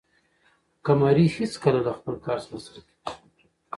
قمري هیڅکله له خپل کار څخه نه ستړې کېږي.